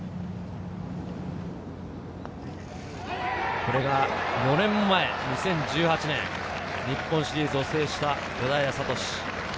これが４年前、２０１８年、日本シリーズを制した小平智。